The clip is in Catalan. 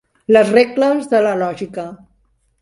Les regles de la lògica.